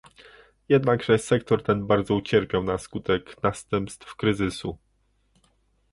Jednakże sektor ten bardzo ucierpiał na skutek następstw kryzysu